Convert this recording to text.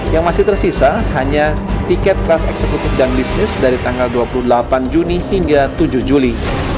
yang masih tersisa hanya tiket kelas eksekutif dan bisnis dari tanggal dua puluh delapan juni hingga tujuh juli